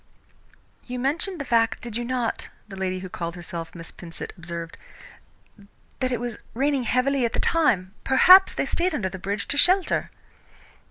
"You mentioned the fact, did you not," the lady who called herself Miss Pinsent observed, "that it was raining heavily at the time? Perhaps they stayed under the bridge to shelter."